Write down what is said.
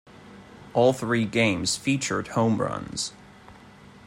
All three games featured home runs.